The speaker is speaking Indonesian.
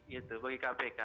itu bagi kpk